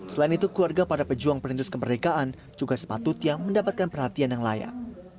selain itu keluarga para pejuang perindus kemerdekaan juga sepatutnya mendapatkan perhatian yang layak